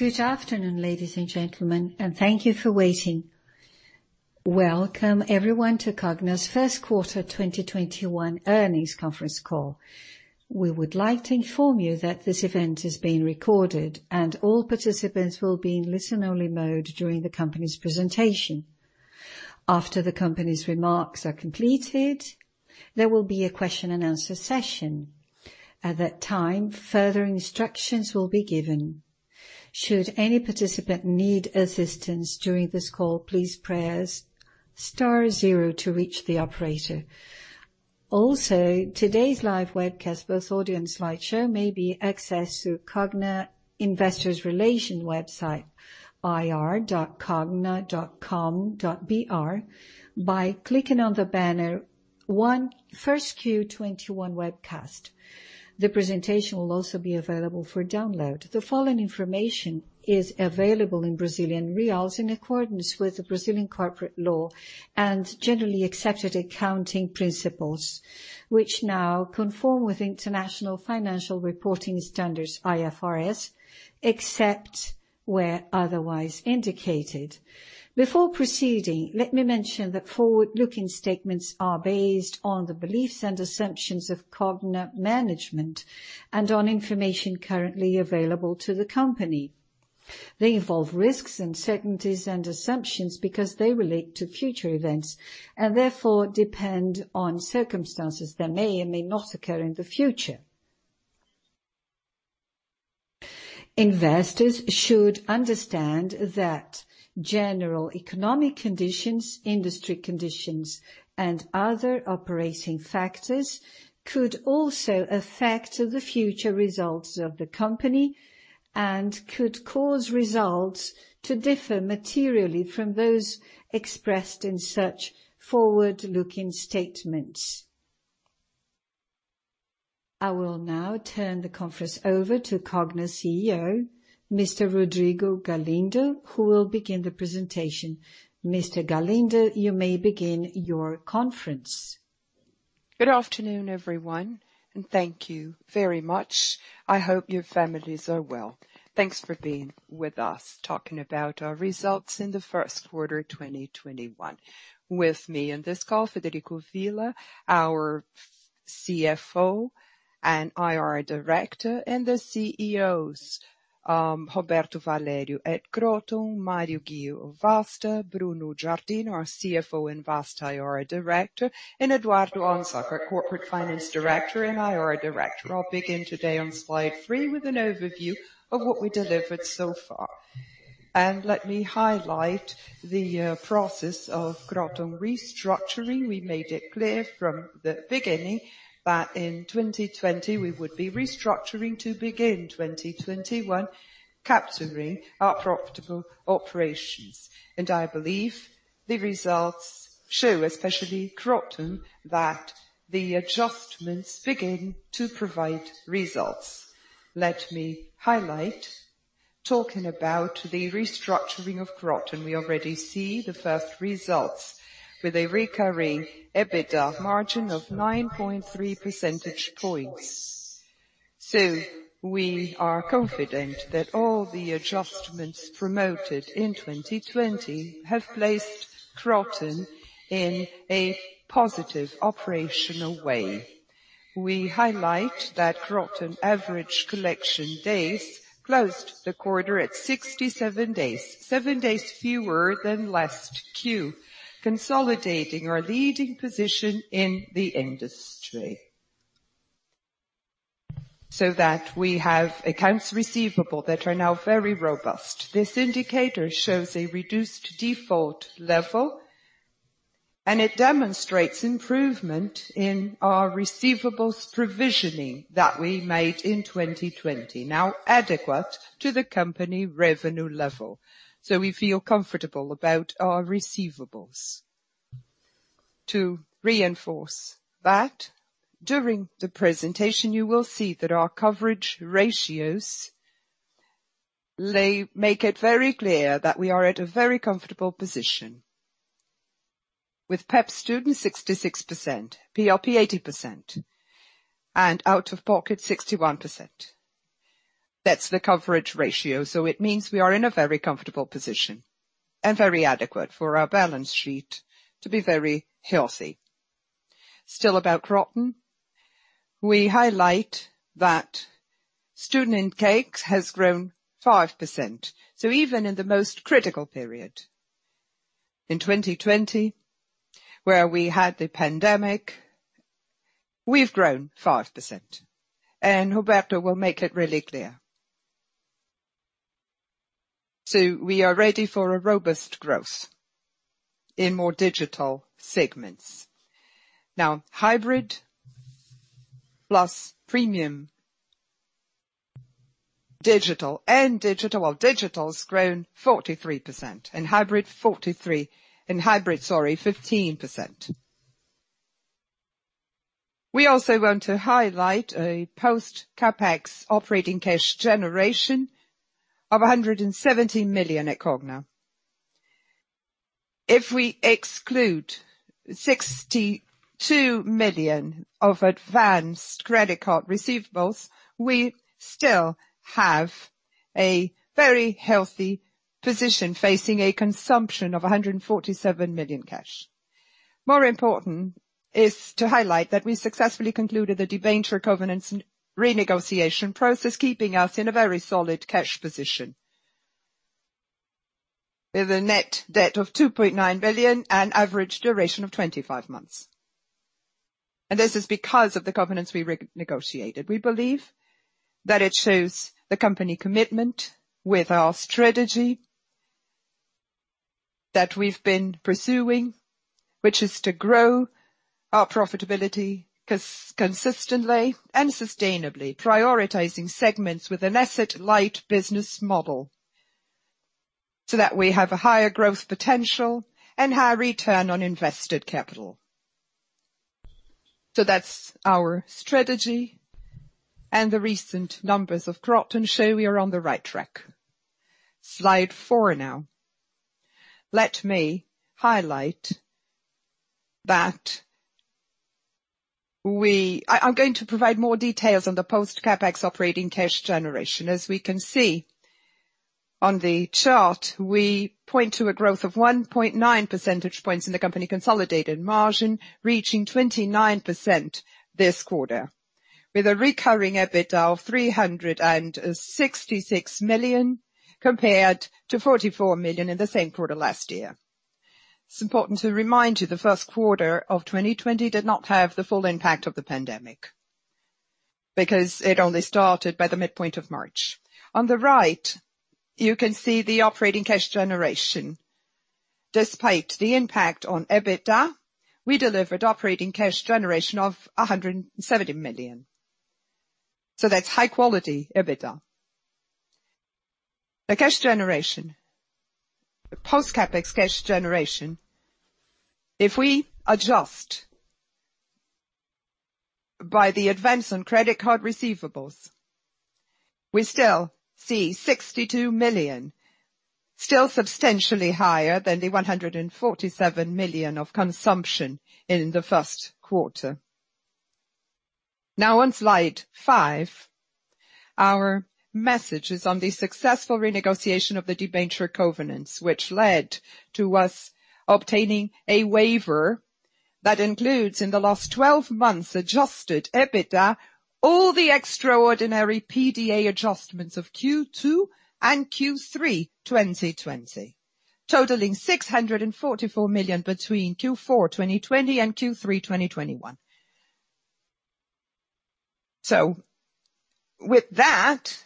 Good afternoon, ladies and gentlemen, and thank you for waiting. Welcome everyone to Cogna's first quarter 2021 earnings conference call. We would like to inform you that this event is being recorded, and all participants will be in listen-only mode during the company's presentation. After the company's remarks are completed, there will be a question-and-answer session. At that time, further instructions will be given. Should any participant need assistance during this call, please press star zero to reach the operator. Also, today's live webcast with audio and slideshow may be accessed through Cogna Investors Relation website ir.cogna.com.br by clicking on the banner first Q 2021 webcast. The presentation will also be available for download. The following information is available in Brazilian reals in accordance with the Brazilian corporate law and generally accepted accounting principles, which now conform with International Financial Reporting Standards, IFRS, except where otherwise indicated. Before proceeding, let me mention that forward-looking statements are based on the beliefs and assumptions of Cogna management and on information currently available to the company. They involve risks and uncertainties and assumptions because they relate to future events and therefore depend on circumstances that may or may not occur in the future. Investors should understand that general economic conditions, industry conditions, and other operating factors could also affect the future results of the company and could cause results to differ materially from those expressed in such forward-looking statements. I will now turn the conference over to Cogna CEO, Mr. Rodrigo Galindo, who will begin the presentation. Mr. Galindo, you may begin your conference. Good afternoon, everyone. Thank you very much. I hope your families are well. Thanks for being with us talking about our results in the first quarter 2021. With me on this call, Frederico Villa, our CFO and IR Director, and the CEOs, Roberto Valério at Kroton, Mario Ghio, Vasta, Bruno Giardino, our CFO and Vasta IR Director, and Eduardo Honzák, our Corporate Finance Director and IR Director. I'll begin today on slide three with an overview of what we delivered so far. Let me highlight the process of Kroton restructuring. We made it clear from the beginning that in 2020 we would be restructuring to begin 2021 capturing our profitable operations. I believe the results show, especially Kroton, that the adjustments begin to provide results. Let me highlight talking about the restructuring of Kroton. We already see the first results with a recurring EBITDA margin of 9.3 percentage points. We are confident that all the adjustments promoted in 2020 have placed Kroton in a positive operational way. We highlight that Kroton average collection days closed the quarter at 67 days, seven days fewer than last Q, consolidating our leading position in the industry. We have accounts receivable that are now very robust. This indicator shows a reduced default level, it demonstrates improvement in our receivables provisioning that we made in 2020, now adequate to the company revenue level. We feel comfortable about our receivables. To reinforce that, during the presentation you will see that our coverage ratios make it very clear that we are at a very comfortable position. With PEP Student 66%, PRP 80%, and out-of-pocket 61%. That's the coverage ratio, it means we are in a very comfortable position and very adequate for our balance sheet to be very healthy. Still about Kroton, we highlight that student intake has grown 5%. Even in the most critical period in 2020 where we had the pandemic, we've grown 5%. Roberto will make it really clear. We are ready for a robust growth in more digital segments. Now, hybrid plus premium digital and digital. Well, digital's grown 43% and hybrid, sorry, 15%. We also want to highlight a post CapEx operating cash generation of 170 million at Cogna. If we exclude 62 million of advanced credit card receivables, we still have a very healthy position facing a consumption of 147 million cash. More important is to highlight that we successfully concluded the debenture covenants renegotiation process, keeping us in a very solid cash position with a net debt of 2.9 billion and average duration of 25 months. This is because of the covenants we renegotiated. We believe that it shows the company commitment with our strategy that we've been pursuing, which is to grow our profitability consistently and sustainably, prioritizing segments with an asset-light business model so that we have a higher growth potential and high return on invested capital. That's our strategy, and the recent numbers of Kroton show we are on the right track. Slide four now. Let me highlight that I'm going to provide more details on the post CapEx operating cash generation. As we can see on the chart, we point to a growth of 1.9 percentage points in the company consolidated margin, reaching 29% this quarter, with a recurring EBITDA of 366 million compared to 44 million in the same quarter last year. It's important to remind you the first quarter of 2020 did not have the full impact of the pandemic, because it only started by the midpoint of March. On the right, you can see the operating cash generation. Despite the impact on EBITDA, we delivered operating cash generation of 170 million. That's high-quality EBITDA. The cash generation, the post CapEx cash generation, if we adjust by the advance on credit card receivables, we still see 62 million, still substantially higher than the 147 million of consumption in the first quarter. Now on slide five, our message is on the successful renegotiation of the debenture covenants, which led to us obtaining a waiver that includes, in the last 12 months adjusted EBITDA, all the extraordinary PDA adjustments of Q2 and Q3 2020, totaling 644 million between Q4 2020 and Q3 2021. With that,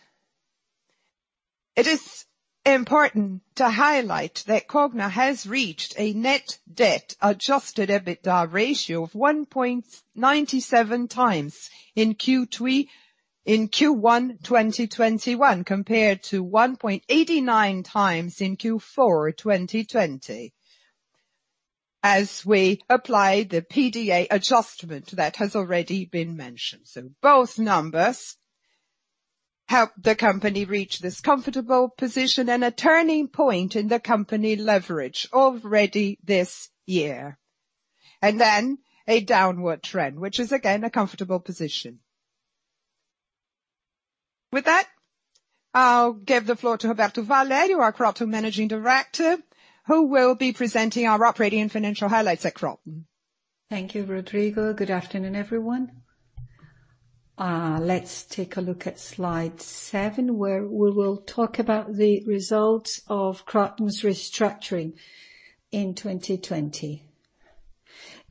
it is important to highlight that Cogna has reached a net debt adjusted EBITDA ratio of 1.97x in Q1 2021, compared to 1.89x in Q4 2020, as we apply the PDA adjustment that has already been mentioned. Both numbers help the company reach this comfortable position and a turning point in the company leverage already this year. Then a downward trend, which is again, a comfortable position. With that, I will give the floor to Roberto Valério, our Kroton Managing Director, who will be presenting our operating and financial highlights at Kroton. Thank you, Rodrigo. Good afternoon, everyone. Let's take a look at slide seven, where we will talk about the results of Kroton's restructuring in 2020.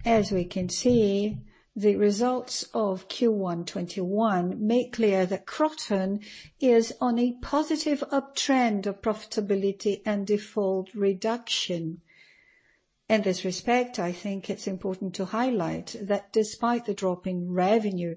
As we can see, the results of Q1 2021 make clear that Kroton is on a positive uptrend of profitability and default reduction. In this respect, I think it's important to highlight that despite the drop in revenue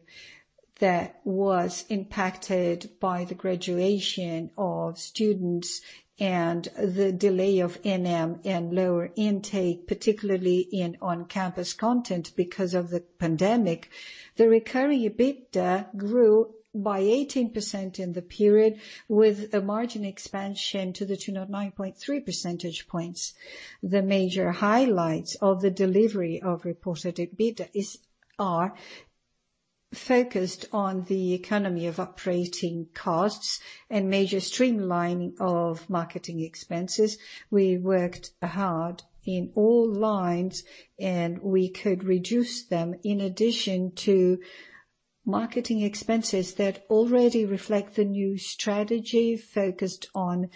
that was impacted by the graduation of students and the delay of ENEM and lower intake, particularly in on-campus content because of the pandemic, the recurring EBITDA grew by 18% in the period with the margin expansion to the 29.3 percentage points. The major highlights of the delivery of reported EBITDA are focused on the economy of operating costs and major streamlining of marketing expenses. We worked hard in all lines, and we could reduce them in addition to marketing expenses that already reflect the new strategy focused on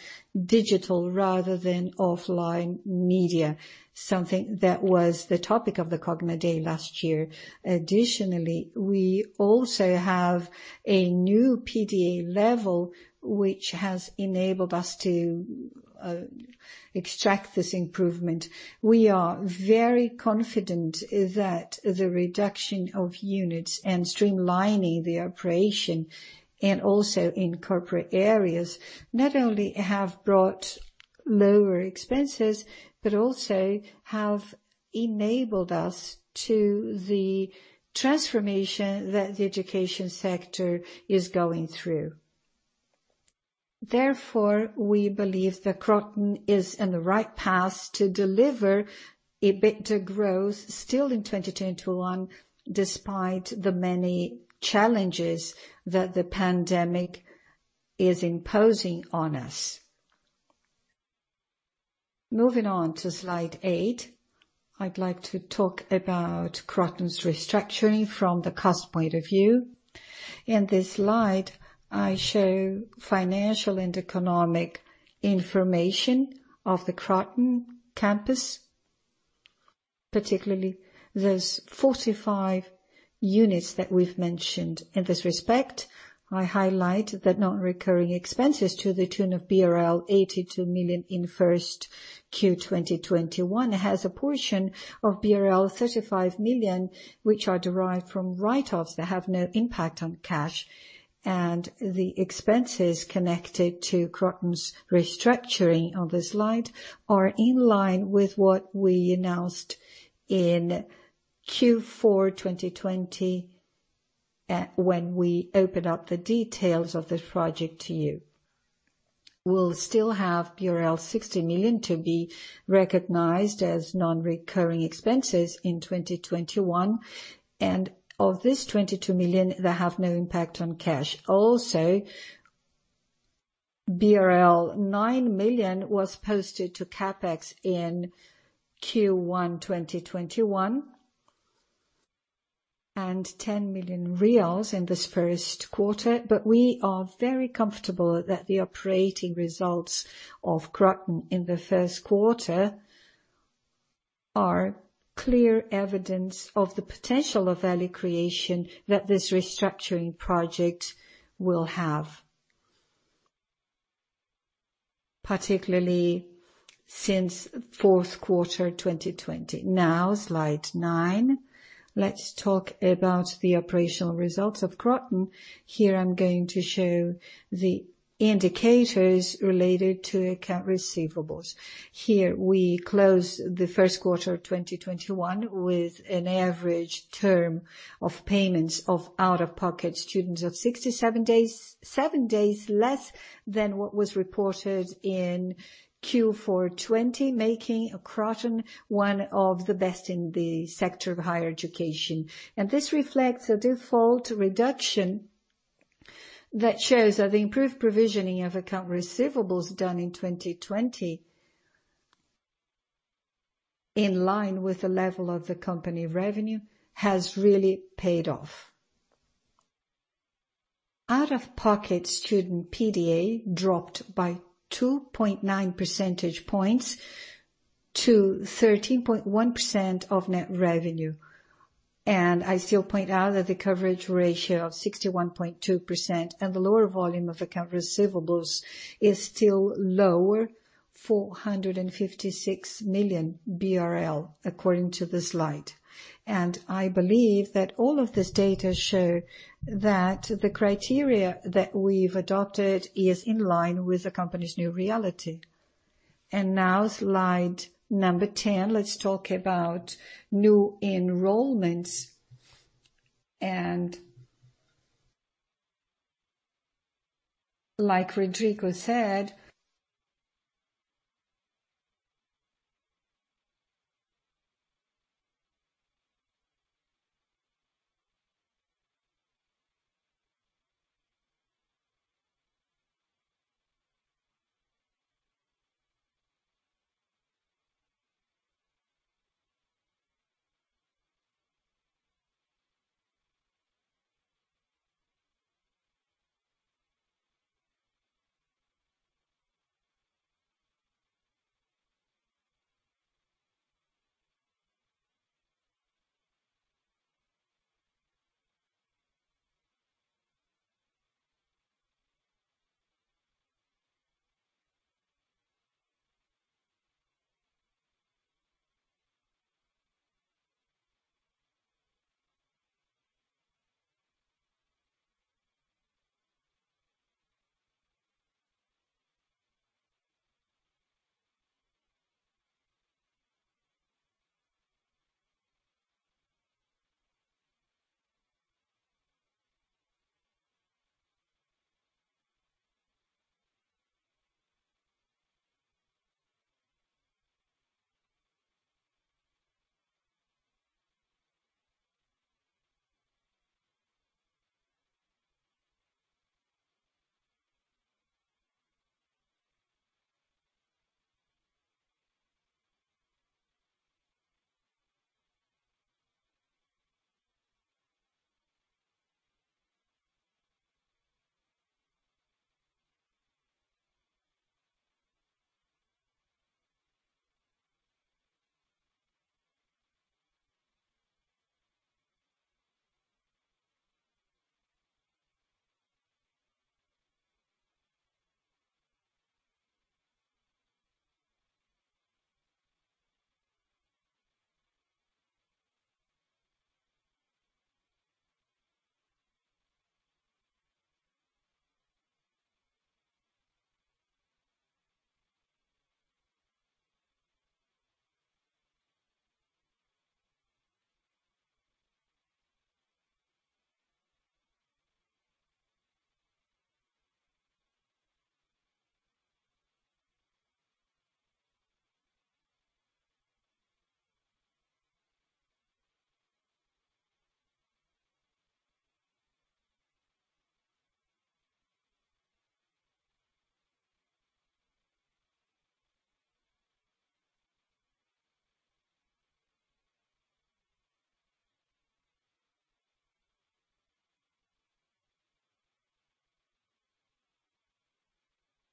digital rather than offline media, something that was the topic of the Cogna Day last year. We also have a new PDA level, which has enabled us to extract this improvement. We are very confident that the reduction of units and streamlining the operation, and also in corporate areas, not only have brought lower expenses but also have enabled us to the transformation that the education sector is going through. Therefore, we believe that Kroton is on the right path to deliver EBITDA growth still in 2021, despite the many challenges that the pandemic is imposing on us. Moving on to slide eight, I'd like to talk about Kroton's restructuring from the cost point of view. In this slide, I show financial and economic information of the Kroton campus, particularly those 45 units that we've mentioned. In this respect, I highlight the non-recurring expenses to the tune of BRL 82 million in first Q 2021. It has a portion of BRL 35 million, which are derived from write-offs that have no impact on cash, and the expenses connected to Kroton's restructuring on the slide are in line with what we announced in Q4 2020 when we opened up the details of this project to you. We'll still have 60 million to be recognized as non-recurring expenses in 2021, and of this 22 million that have no impact on cash. Also, BRL 9 million was posted to CapEx in Q1 2021. BRL 10 million in this first quarter. We are very comfortable that the operating results of Kroton in the first quarter are clear evidence of the potential of value creation that this restructuring project will have, particularly since fourth quarter 2020. Slide nine. Let's talk about the operational results of Kroton. Here, I'm going to show the indicators related to account receivables. Here, we close the first quarter of 2021 with an average term of payments of out-of-pocket students of 67 days, seven days less than what was reported in Q4 2020, making Kroton one of the best in the sector of higher education. This reflects a default reduction that shows that improved provisioning of account receivables done in 2020, in line with the level of the company revenue, has really paid off. Out-of-pocket student PDA dropped by 2.9 percentage points to 13.1% of net revenue. I still point out that the coverage ratio of 61.2% and the lower volume of account receivables is still lower, 456 million BRL according to the slide. I believe that all of this data show that the criteria that we've adopted is in line with the company's new reality. Now slide number 10, let's talk about new enrollments. Like Rodrigo said...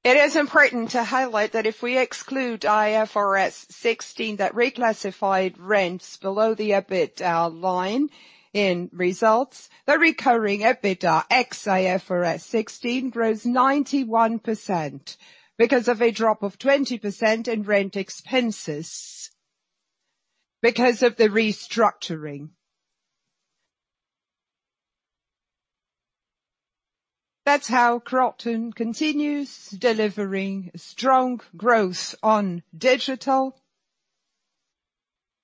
It is important to highlight that if we exclude IFRS 16 that reclassified rents below the EBITDA line in results, the recurring EBITDA ex IFRS 16 grows 91% because of a drop of 20% in rent expenses because of the restructuring. That's how Kroton continues delivering strong growth on digital,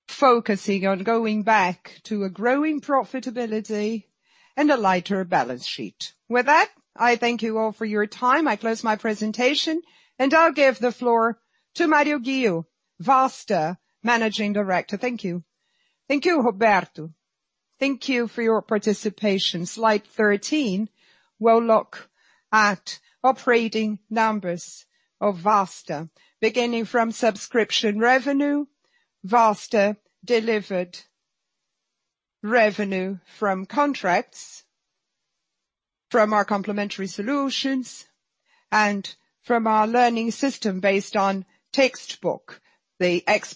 focusing on going back to a growing profitability and a lighter balance sheet. With that, I thank you all for your time. I close my presentation and I'll give the floor to Mario Ghio, Vasta Managing Director. Thank you. Thank you, Roberto. Thank you for your participation. Slide 13 will look at operating numbers of Vasta. Beginning from subscription revenue, Vasta delivered revenue from contracts, from our complementary solutions, and from our learning system based on textbook, the ex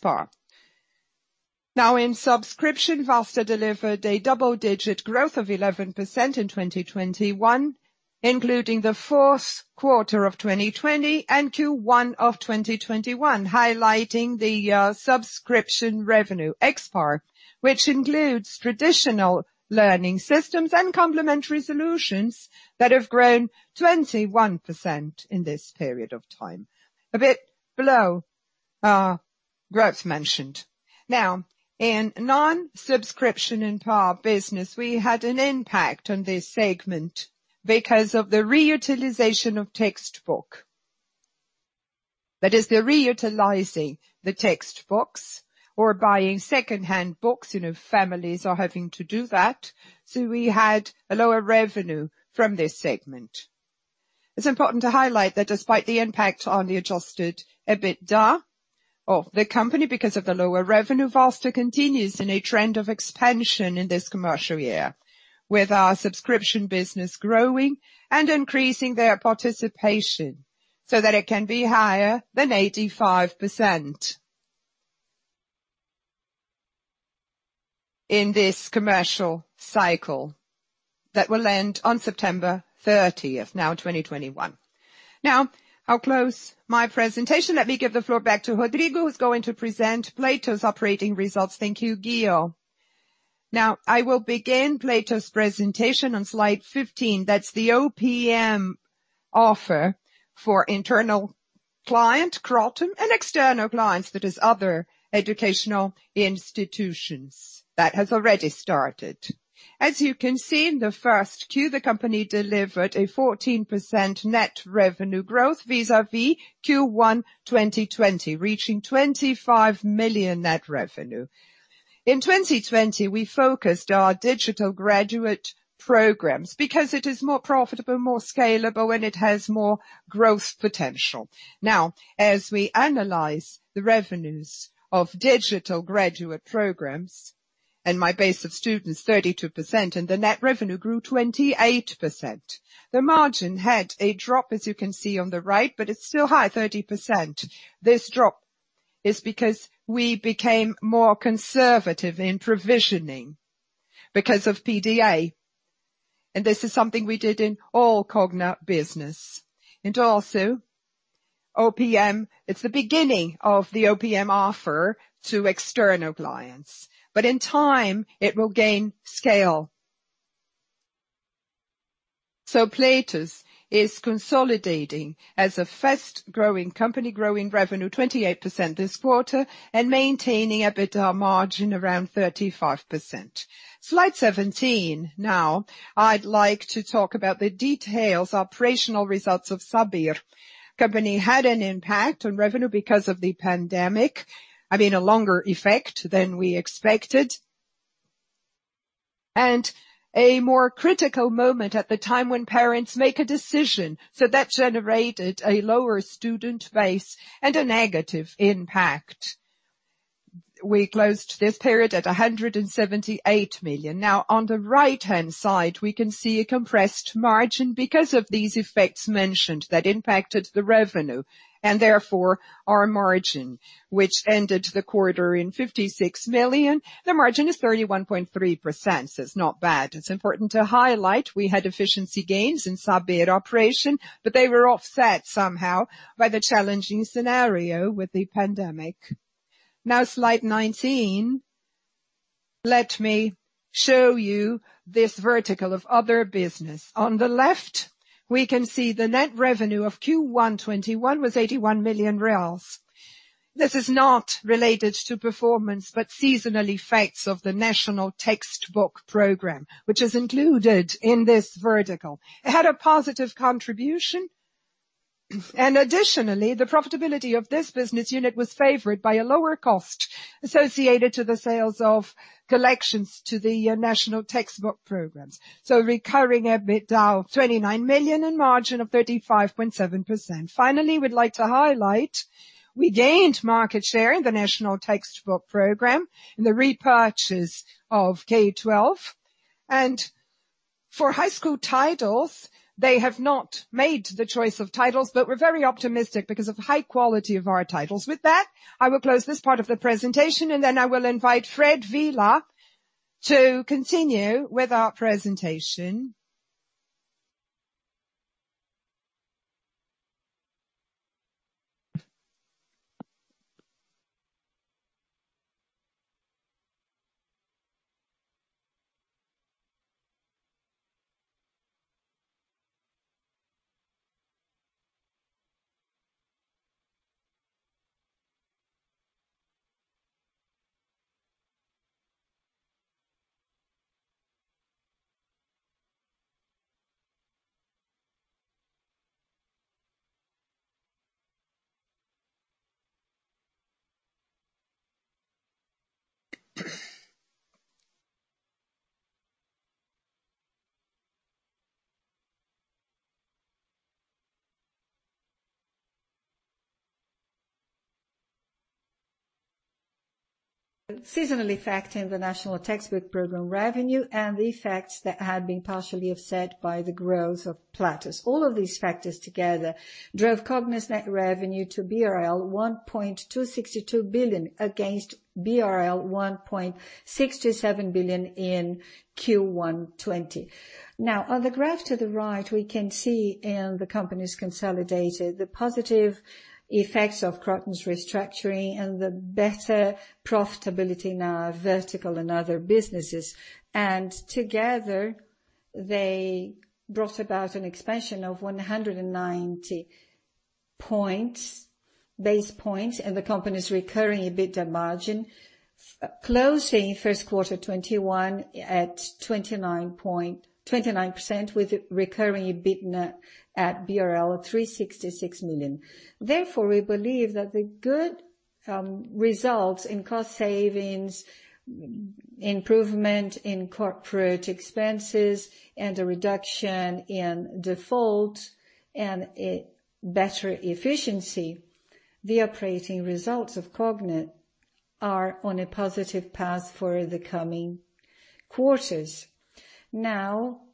PAR. In subscription, Vasta delivered a double-digit growth of 11% in 2021, including the fourth quarter of 2020 and Q1 of 2021, highlighting the subscription revenue ex PAR, which includes traditional learning systems and complementary solutions that have grown 21% in this period of time. A bit below our growth mentioned. In non-subscription [and PAR] business, we had an impact on this segment because of the reutilization of textbook. That is they're reutilizing the textbooks or buying secondhand books. Families are having to do that. We had a lower revenue from this segment. It's important to highlight that despite the impact on the adjusted EBITDA of the company because of the lower revenue, Vasta continues in a trend of expansion in this commercial year with our subscription business growing and increasing their participation so that it can be higher than 85% in this commercial cycle that will end on September 30th, 2021. I'll close my presentation. Let me give the floor back to Rodrigo, who's going to present Platos operating results. Thank you, Ghio. I will begin Platos presentation on slide 15. That's the OPM offer for internal client Kroton and external clients, that is other educational institutions that has already started. As you can see in the first Q, the company delivered a 14% net revenue growth vis-à-vis Q1 2020, reaching 25 million net revenue. In 2020, we focused our digital graduate programs because it is more profitable, more scalable, and it has more growth potential. Now, as we analyze the revenues of digital graduate programs and my base of students 32%, and the net revenue grew 28%. The margin had a drop, as you can see on the right, but it's still high 30%. This drop is because we became more conservative in provisioning because of PDA, and this is something we did in all Cogna business. Also, OPM is the beginning of the OPM offer to external clients, but in time it will gain scale. Platos is consolidating as a fast-growing company, growing revenue 28% this quarter and maintaining EBITDA margin around 35%. Slide 17. Now I'd like to talk about the details, operational results of Saber. Company had an impact on revenue because of the pandemic, having a longer effect than we expected, and a more critical moment at the time when parents make a decision. That generated a lower student base and a negative impact. We closed this period at 178 million. On the right-hand side, we can see a compressed margin because of these effects mentioned that impacted the revenue and therefore our margin, which ended the quarter in 56 million. The margin is 31.3%, so it's not bad. It's important to highlight we had efficiency gains in Saber operation, but they were offset somehow by the challenging scenario with the pandemic. Slide 19, let me show you this vertical of other business. On the left, we can see the net revenue of Q1 2021 was BRL 81 million. This is not related to performance but seasonal effects of the National Textbook Program, which is included in this vertical. It had a positive contribution. Additionally, the profitability of this business unit was favored by a lower cost associated to the sales of collections to the National Textbook Programs. Recurring EBITDA of 29 million and margin of 35.7%. Finally, we'd like to highlight, we gained market share in the National Textbook Program in the repurchase of K12. For high school titles, they have not made the choice of titles, but we're very optimistic because of high quality of our titles. With that, I will close this part of the presentation and then I will invite Fred Villa to continue with our presentation. Seasonal effect in the National Textbook Program revenue and the effects that had been partially offset by the growth of Platos. All of these factors together drove Cogna's net revenue to BRL 1.262 billion against BRL 1.67 billion in Q1 2020. On the graph to the right, we can see in the company's consolidated the positive effects of Kroton restructuring and the better profitability in our vertical and other businesses. Together, they brought about an expansion of 190 basis points in the company's recurring EBITDA margin, closing first quarter 2021 at 29% with recurring EBITDA at 366 million BRL. Therefore, we believe that the good results in cost savings, improvement in corporate expenses, and the reduction in default and better efficiency, the operating results of Cogna are on a positive path for the coming quarters.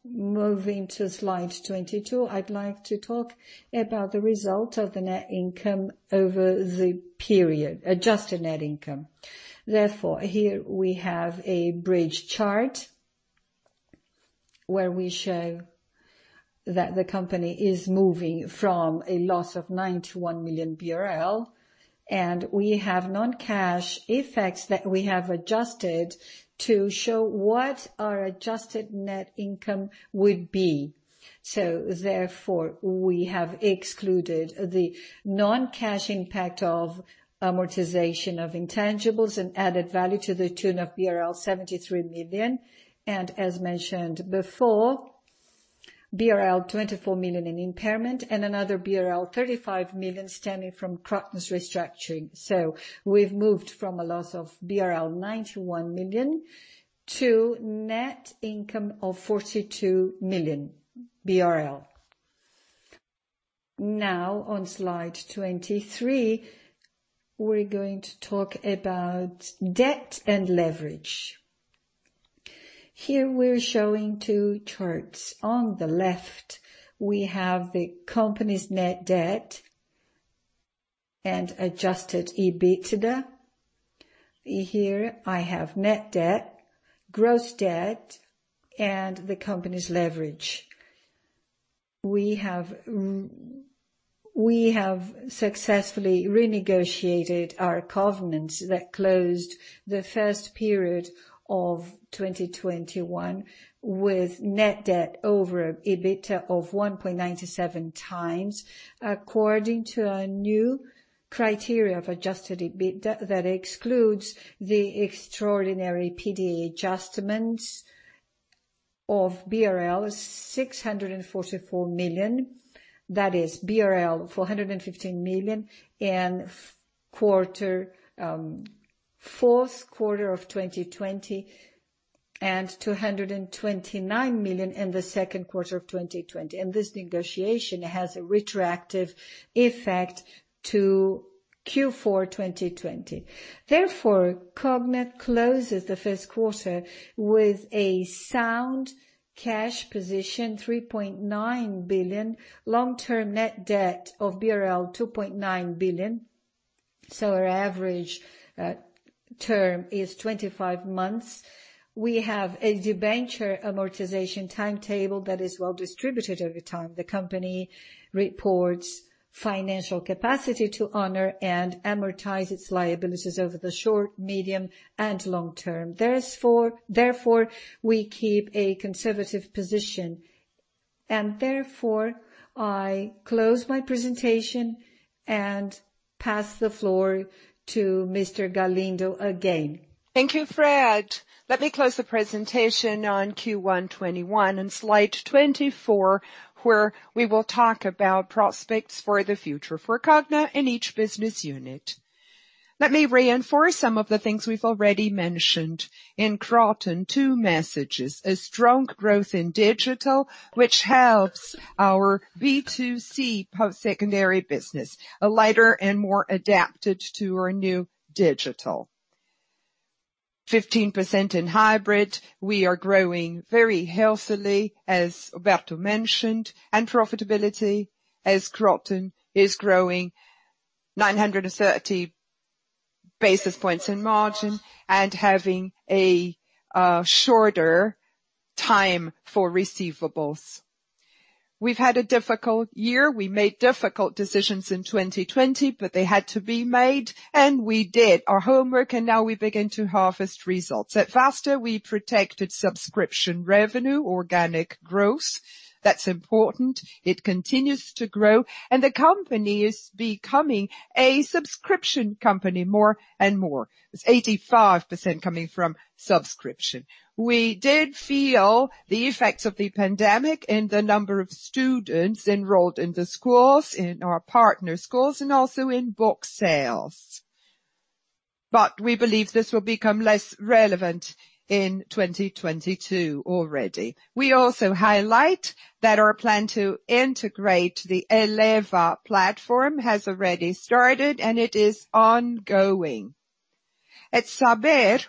Moving to slide 22, I'd like to talk about the result of net income over the period, adjusted net income. Therefore, here we have a bridge chart where we show that the company is moving from a loss of 91 million BRL, and we have non-cash effects that we have adjusted to show what our adjusted net income would be. Therefore, we have excluded the non-cash impact of amortization of intangibles and added value to the tune of BRL 73 million, and as mentioned before, BRL 24 million in impairment and another BRL 35 million stemming from Kroton restructuring. We've moved from a loss of BRL 91 million to net income of 42 million BRL. On slide 23, we're going to talk about debt and leverage. Here we're showing two charts. On the left, we have the company's net debt and adjusted EBITDA. Here I have net debt, gross debt, and the company's leverage. We have successfully renegotiated our covenants that closed the first period of 2021 with net debt over EBITDA of 1.97x, according to a new criteria of adjusted EBITDA that excludes the extraordinary PDA adjustments of BRL 644 million, that is BRL 415 million in fourth quarter of 2020 and 229 million in the second quarter of 2020. This negotiation has a retroactive effect to Q4 2020. Therefore, Cogna closes the first quarter with a sound cash position, 3.9 billion, long-term net debt of BRL 2.9 billion. Our average term is 25 months. We have a debenture amortization timetable that is well distributed over time. The company reports financial capacity to honor and amortize its liabilities over the short, medium, and long term. Therefore, we keep a conservative position. Therefore, I close my presentation and pass the floor to Mr. Galindo again. Thank you, Fred. Let me close the presentation on Q1 2021 and slide 24, where we will talk about prospects for the future for Cogna in each business unit. Let me reinforce some of the things we've already mentioned. In Kroton, two messages. A strong growth in digital, which helps our B2C post-secondary business, a lighter and more adapted to our new digital. 15% in hybrid. We are growing very healthily, as Roberto mentioned, and profitability, as Kroton is growing 930 basis points in margin and having a shorter time for receivables. We've had a difficult year. We made difficult decisions in 2020, but they had to be made, and we did our homework, and now we begin to harvest results. At Vasta, we protected subscription revenue, organic growth. That's important. It continues to grow, and the company is becoming a subscription company more and more. It's 85% coming from subscription. We did feel the effects of the pandemic in the number of students enrolled in the schools, in our partner schools, and also in book sales. We believe this will become less relevant in 2022 already. We also highlight that our plan to integrate the Eleva platform has already started, and it is ongoing. At Saber,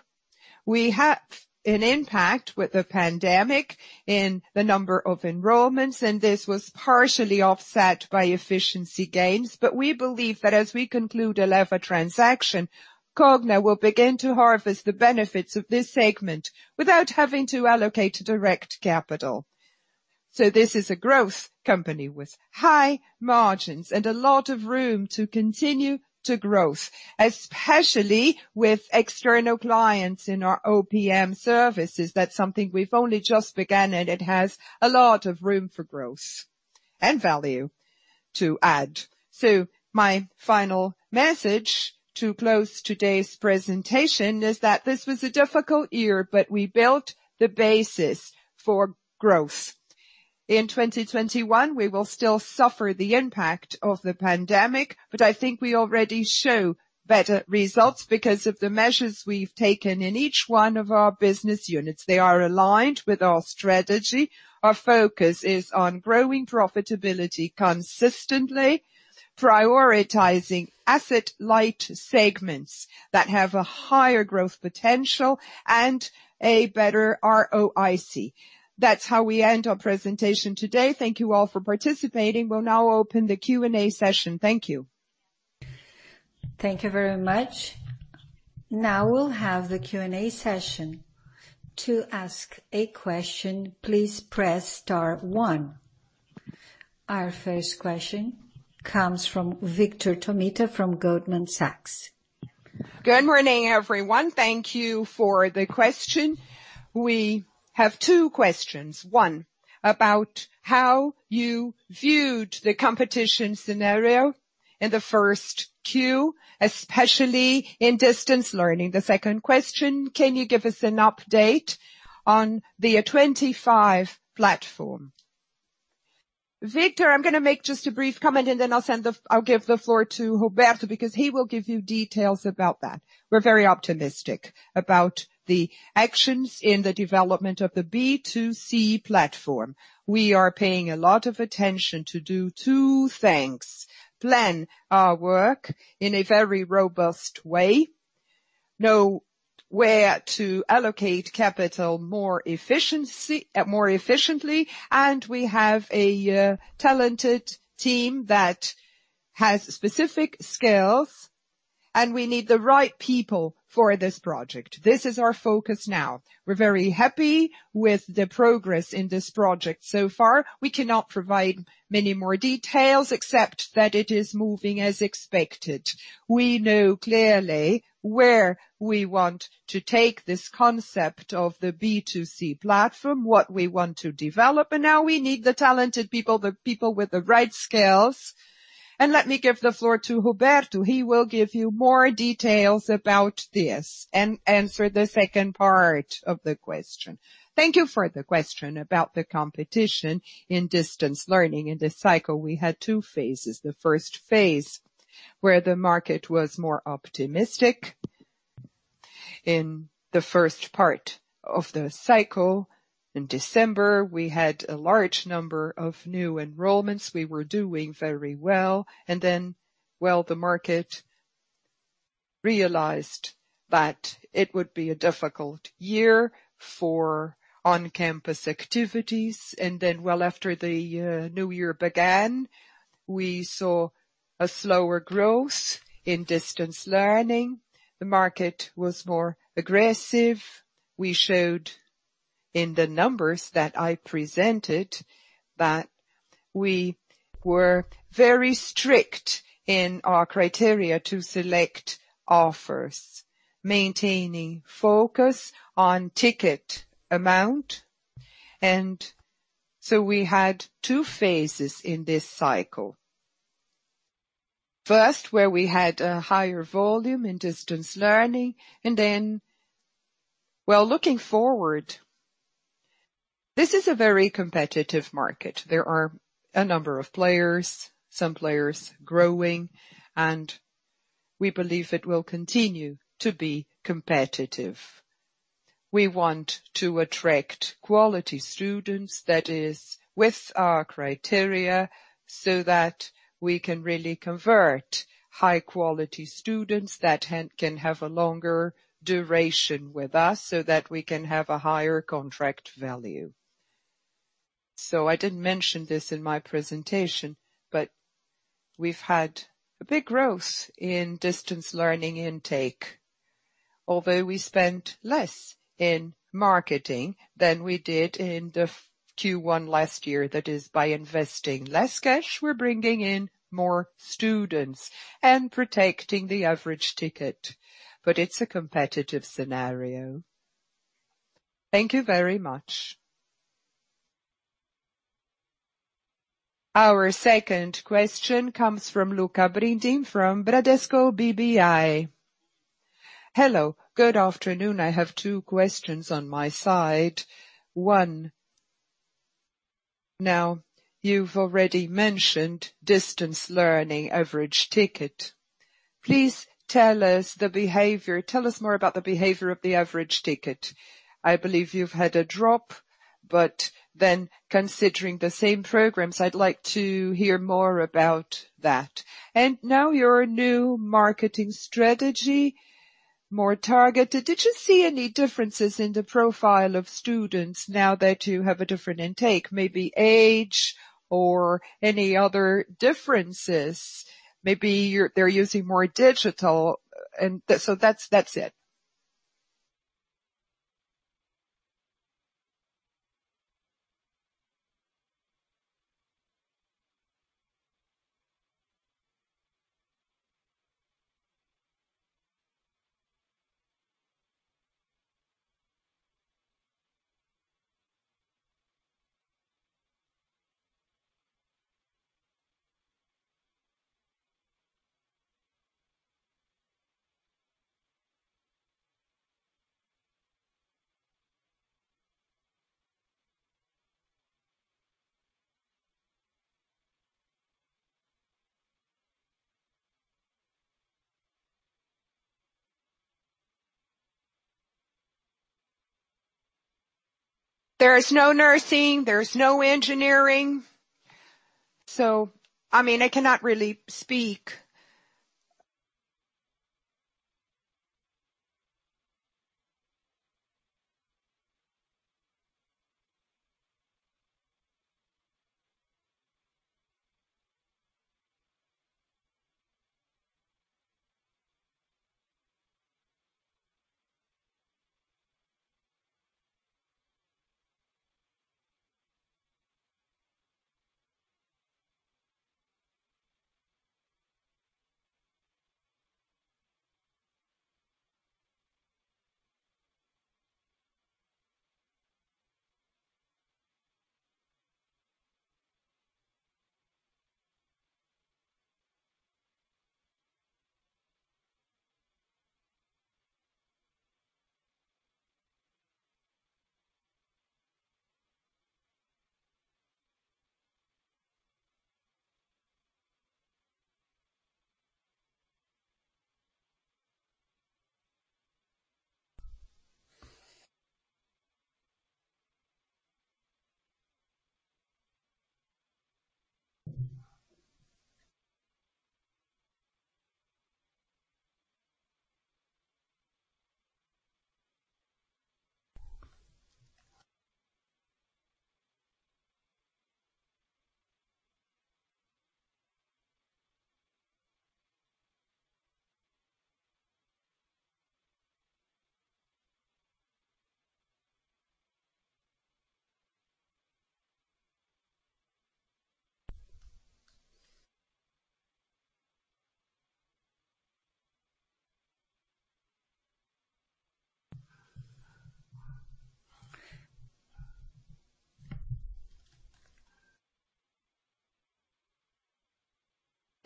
we had an impact with the pandemic in the number of enrollments, and this was partially offset by efficiency gains. We believe that as we conclude Eleva transaction, Cogna will begin to harvest the benefits of this segment without having to allocate direct capital. This is a growth company with high margins and a lot of room to continue to growth, especially with external clients in our OPM services. That's something we've only just begun, and it has a lot of room for growth and value to add. My final message to close today's presentation is that this was a difficult year, but we built the basis for growth. In 2021, we will still suffer the impact of the pandemic, but I think we already show better results because of the measures we've taken in each one of our business units. They are aligned with our strategy. Our focus is on growing profitability consistently, prioritizing asset light segments that have a higher growth potential and a better ROIC. That's how we end our presentation today. Thank you all for participating. We'll now open the Q&A session. Thank you. Thank you very much. Now we'll have the Q&A session. To ask a question, please press star one. Our first question comes from Vitor Tomita from Goldman Sachs. Good morning, everyone. Thank you for the question. We have two questions. One, about how you viewed the competition scenario in the first Q, especially in distance learning. The second question, can you give us an update on the 25 platform? Vitor, I'm going to make just a brief comment, and then I'll give the floor to Roberto because he will give you details about that. We're very optimistic about the actions in the development of the B2C platform. We are paying a lot of attention to do two things, plan our work in a very robust way, know where to allocate capital more efficiently, and we have a talented team that has specific skills, and we need the right people for this project. This is our focus now. We're very happy with the progress in this project so far. We cannot provide many more details except that it is moving as expected. We know clearly where we want to take this concept of the B2C platform, what we want to develop, now we need the talented people, the people with the right skills. Let me give the floor to Roberto. He will give you more details about this and answer the second part of the question. Thank you for the question about the competition in distance learning. In this cycle, we had two phases. The first phase, where the market was more optimistic. In the first part of the cycle, in December, we had a large number of new enrollments. We were doing very well. While the market realized that it would be a difficult year for on-campus activities. After the new year began, we saw a slower growth in distance learning. The market was more aggressive. We showed in the numbers that I presented that we were very strict in our criteria to select offers, maintaining focus on ticket amount. We had two phases in this cycle. First, where we had a higher volume in distance learning. Well, looking forward, this is a very competitive market. There are a number of players, some players growing. We believe it will continue to be competitive. We want to attract quality students that is with our criteria so that we can really convert high-quality students that can have a longer duration with us so that we can have a higher contract value. I didn't mention this in my presentation. We've had a big growth in distance learning intake. Although we spent less in marketing than we did in the Q1 last year. That is, by investing less cash, we're bringing in more students and protecting the average ticket, but it's a competitive scenario. Thank you very much. Our second question comes from Lucca Brendim from Bradesco BBI. Hello, good afternoon. I have two questions on my side. One, now you've already mentioned distance learning average ticket. Please tell us more about the behavior of the average ticket. I believe you've had a drop, but then considering the same programs, I'd like to hear more about that. Now your new marketing strategy, more targeted. Did you see any differences in the profile of students now that you have a different intake, maybe age or any other differences? Maybe they're using more digital. That's it. There is no nursing, there's no engineering. I cannot really speak.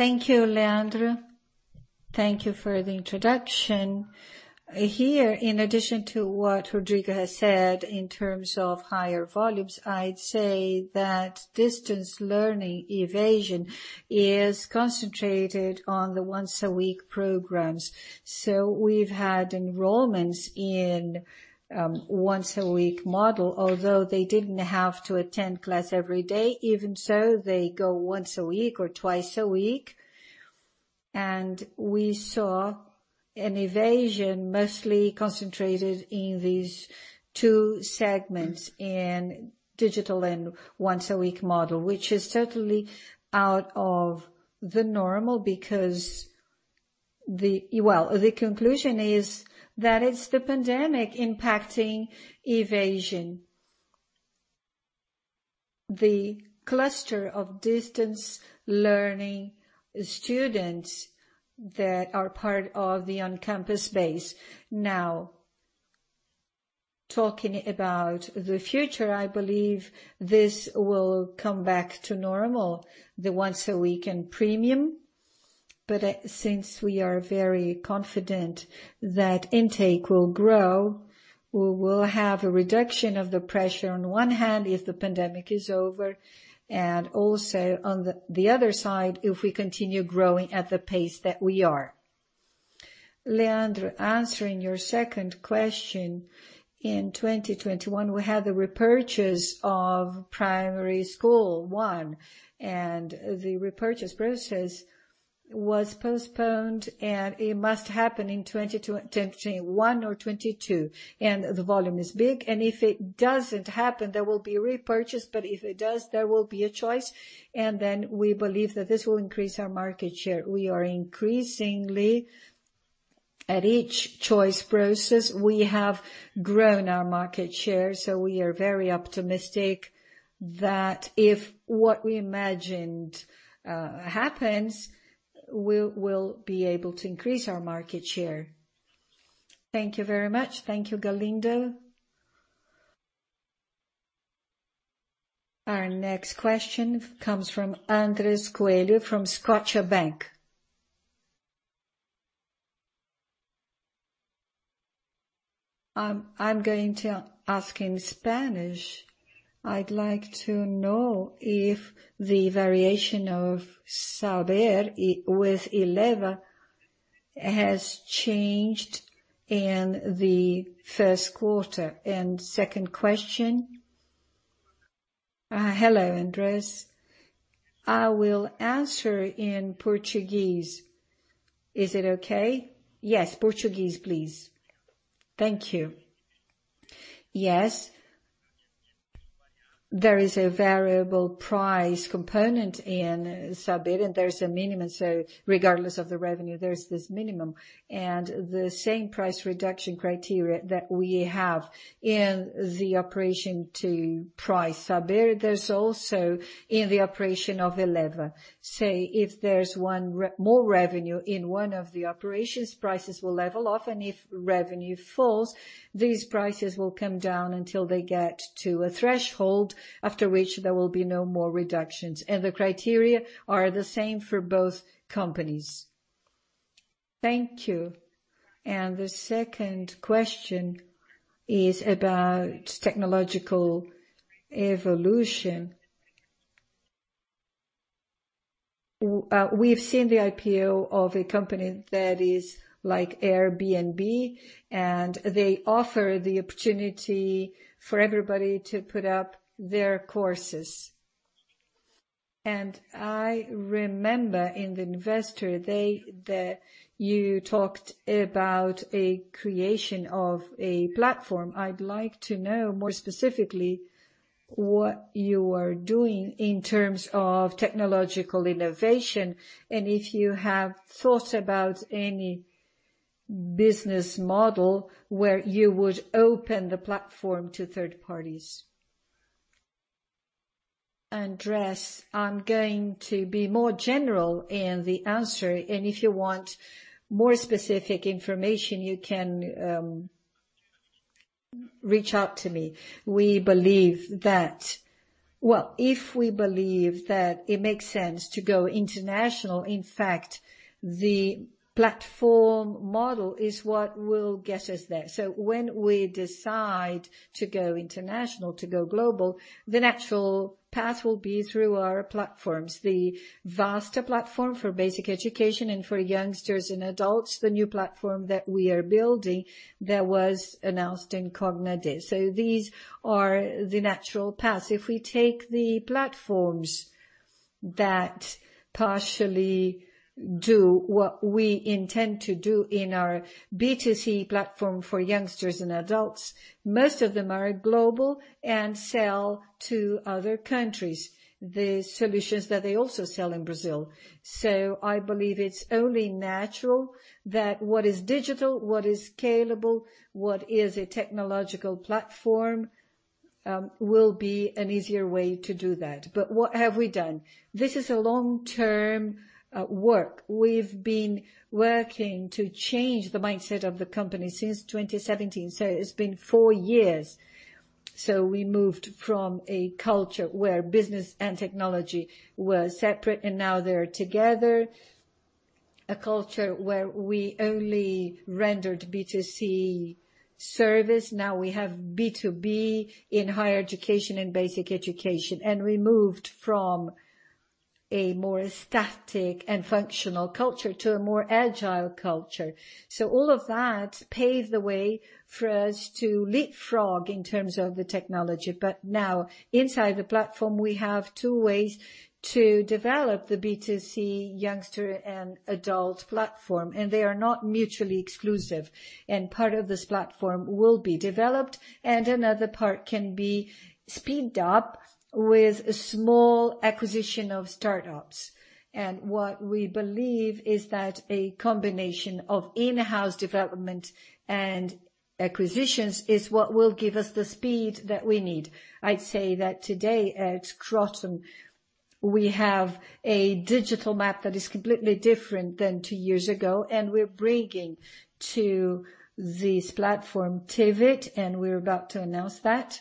Thank you, Leandro. Thank you for the introduction. Here, in addition to what Rodrigo has said in terms of higher volumes, I'd say that distance learning evasion is concentrated on the once-a-week programs. We've had enrollments in once-a-week model, although they didn't have to attend class every day, even so, they go once a week or twice a week. We saw an evasion mostly concentrated in these two segments, in digital and once-a-week model, which is certainly out of the normal because... Well, the conclusion is that it's the pandemic impacting evasion. The cluster of distance learning students that are part of the on-campus base. Talking about the future, I believe this will come back to normal, the once-a-weekend premium. Since we are very confident that intake will grow, we will have a reduction of the pressure on one hand if the pandemic is over, and also on the other side, if we continue growing at the pace that we are. Leandro, answering your second question, in 2021, we had the repurchase of primary school one, and the repurchase process was postponed, and it must happen in 2021 or 2022, and the volume is big. If it doesn't happen, there will be a repurchase, but if it does, there will be a choice. We believe that this will increase our market share. We are increasingly at each choice process, we have grown our market share, so we are very optimistic that if what we imagined happens, we'll be able to increase our market share. Thank you very much. Thank you, Galindo. Our next question comes from Andres Coello from Scotiabank. I'm going to ask in Spanish. I'd like to know if the variation of Saber with Eleva has changed in the first quarter. Second question. Hello, Andres. I will answer in Portuguese. Is it okay? Yes, Portuguese, please. Thank you. Yes. There is a variable price component in Saber. There's a minimum, so regardless of the revenue, there's this minimum. The same price reduction criteria that we have in the operation to price Saber, there's also in the operation of Eleva. If there's more revenue in one of the operations, prices will level off. If revenue falls, these prices will come down until they get to a threshold, after which there will be no more reductions. The criteria are the same for both companies. Thank you. The second question is about technological evolution. We've seen the IPO of a company that is like Airbnb, and they offer the opportunity for everybody to put up their courses. I remember in the Investor Day that you talked about a creation of a platform. I'd like to know more specifically what you are doing in terms of technological innovation and if you have thought about any business model where you would open the platform to third parties. Andres, I'm going to be more general in the answer, and if you want more specific information, you can reach out to me. Well, if we believe that it makes sense to go international, in fact, the platform model is what will get us there. When we decide to go international, to go global, the natural path will be through our platforms: the Vasta platform for basic education and for youngsters and adults, the new platform that we are building that was announced in Cogna Day. These are the natural paths. If we take the platforms that partially do what we intend to do in our B2C platform for youngsters and adults, most of them are global and sell to other countries the solutions that they also sell in Brazil. I believe it's only natural that what is digital, what is scalable, what is a technological platform will be an easier way to do that. What have we done? This is a long-term work. We've been working to change the mindset of the company since 2017, so it's been four years. We moved from a culture where business and technology were separate, and now they are together. A culture where we only rendered B2C service, now we have B2B in higher education and basic education. We moved from a more static and functional culture to a more agile culture. All of that paved the way for us to leapfrog in terms of the technology. Now inside the platform, we have two ways to develop the B2C youngster and adult platform, and they are not mutually exclusive. Part of this platform will be developed, and another part can be speeded up with a small acquisition of startups. What we believe is that a combination of in-house development and acquisitions is what will give us the speed that we need. I'd say that today at Kroton, we have a digital map that is completely different than two years ago, and we're bringing to this platform Tivit, and we're about to announce that.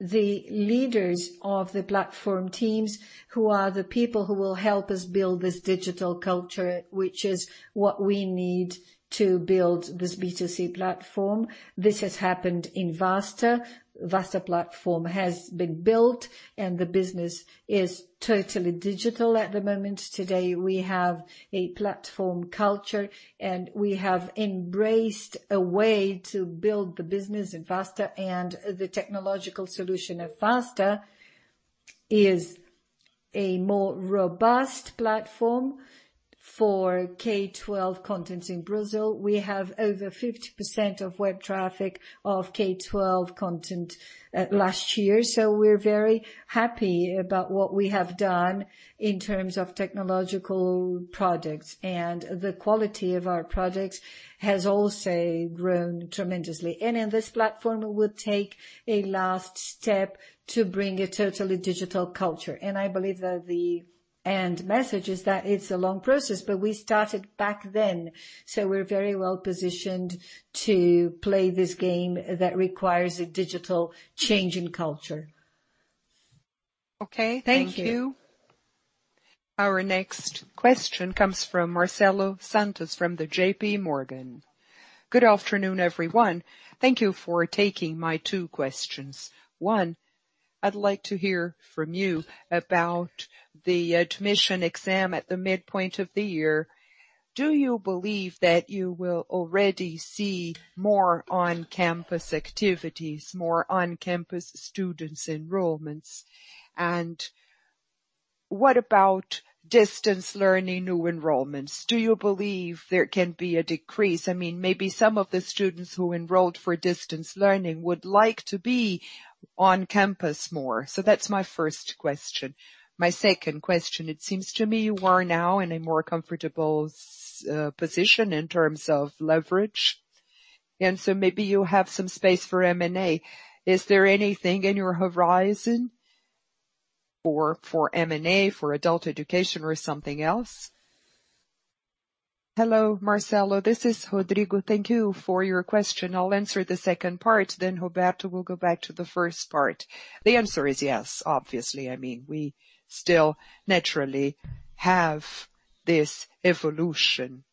The leaders of the platform teams who are the people who will help us build this digital culture, which is what we need to build this B2C platform. This has happened in Vasta. Vasta platform has been built and the business is totally digital at the moment. Today, we have a platform culture, and we have embraced a way to build the business in Vasta. The technological solution at Vasta is a more robust platform for K12 content in Brazil. We have over 50% of web traffic of K12 content last year. We're very happy about what we have done in terms of technological projects. The quality of our projects has also grown tremendously. In this platform, we will take a last step to bring a totally digital culture. I believe that the end message is that it's a long process, but we started back then, so we're very well-positioned to play this game that requires a digital change in culture. Okay, thank you. Our next question comes from Marcelo Santos from the JPMorgan. Good afternoon, everyone. Thank you for taking my two questions. One, I'd like to hear from you about the admission exam at the midpoint of the year. Do you believe that you will already see more on-campus activities, more on-campus students enrollments? What about distance learning new enrollments? Do you believe there can be a decrease? Maybe some of the students who enrolled for distance learning would like to be on campus more. That's my first question. My second question, it seems to me you are now in a more comfortable position in terms of leverage, and so maybe you have some space for M&A. Is there anything in your horizon or for M&A for adult education or something else? Hello, Marcelo. This is Rodrigo. Thank you for your question. I'll answer the second part. Roberto will go back to the first part. The answer is yes, obviously. We still naturally have this evolution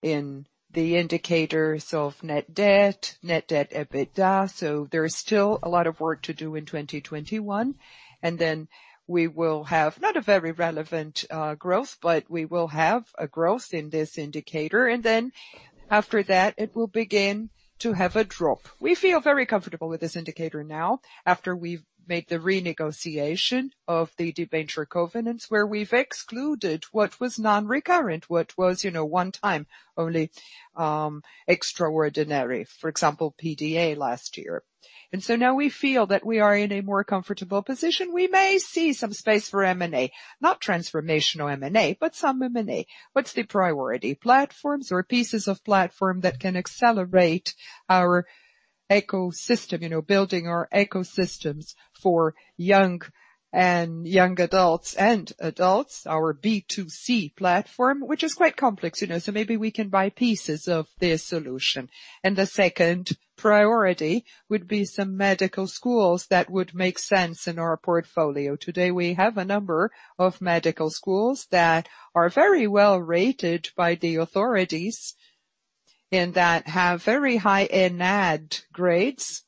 in the indicators of net debt, net debt EBITDA. There's still a lot of work to do in 2021. We will have not a very relevant growth, but we will have a growth in this indicator. After that, it will begin to have a drop. We feel very comfortable with this indicator now after we've made the renegotiation of the debenture covenants where we've excluded what was non-recurrent, what was one time only, extraordinary, for example, PDA last year. Now we feel that we are in a more comfortable position. We may see some space for M&A, not transformational M&A, but some M&A. What's the priority? Platforms or pieces of platform that can accelerate our ecosystem, building our ecosystems for young adults and adults, our B2C platform, which is quite complex. Maybe we can buy pieces of their solution. The second priority would be some medical schools that would make sense in our portfolio. Today, we have a number of medical schools that are very well-rated by the authorities and that have very high ENADE grades.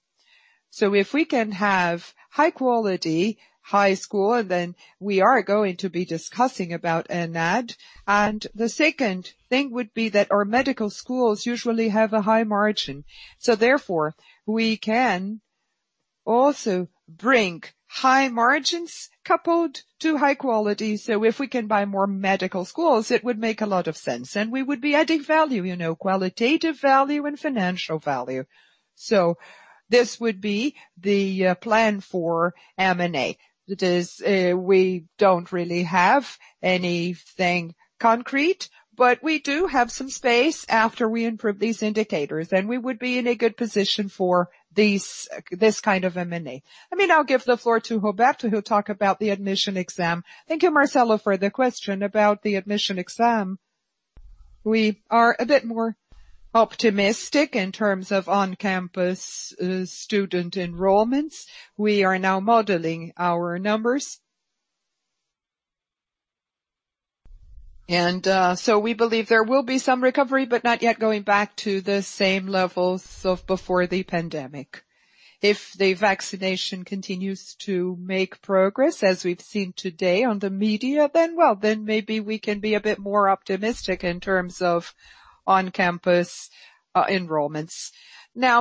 If we can have high quality, high school, then we are going to be discussing about ENADE. The second thing would be that our medical schools usually have a high margin. Therefore, we can also bring high margins coupled to high quality. If we can buy more medical schools, it would make a lot of sense, and we would be adding value, qualitative value and financial value. This would be the plan for M&A. We don't really have anything concrete, but we do have some space after we improve these indicators, and we would be in a good position for this kind of M&A. Let me now give the floor to Roberto, who'll talk about the admission exam. Thank you, Marcelo, for the question about the admission exam. We are a bit more optimistic in terms of on-campus student enrollments. We are now modeling our numbers. We believe there will be some recovery, but not yet going back to the same levels of before the pandemic. If the vaccination continues to make progress, as we've seen today on the media, then maybe we can be a bit more optimistic in terms of on-campus enrollments.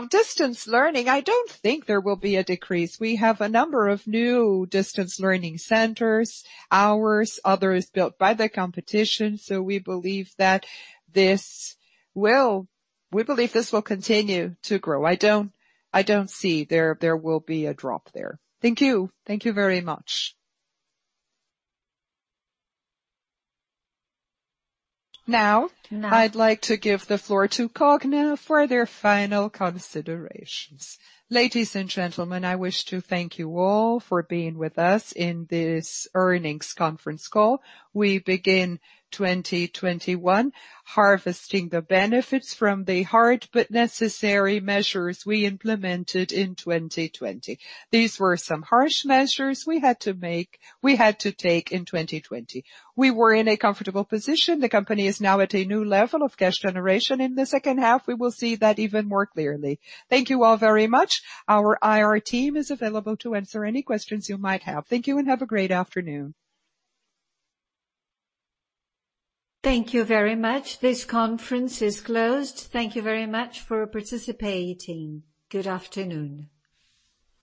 Distance learning, I don't think there will be a decrease. We have a number of new distance learning centers, ours, others built by the competition. We believe that this will continue to grow. I don't see there will be a drop there. Thank you. Thank you very much. Now, I'd like to give the floor to Cogna for their final considerations. Ladies and gentlemen, I wish to thank you all for being with us in this earnings conference call. We begin 2021 harvesting the benefits from the hard but necessary measures we implemented in 2020. These were some harsh measures we had to take in 2020. We were in a comfortable position. The company is now at a new level of cash generation. In the second half, we will see that even more clearly. Thank you all very much. Our IR team is available to answer any questions you might have. Thank you and have a great afternoon. Thank you very much. This conference is closed. Thank you very much for participating. Good afternoon.